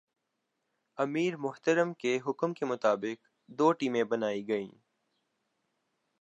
امیر محترم کے حکم کے مطابق دو ٹیمیں بنائی گئیں ۔